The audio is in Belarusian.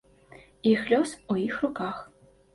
Іх лёс у іх руках.